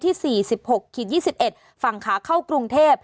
ที่๔๖๒๑ฝั่งขาเข้ากรุงเทพ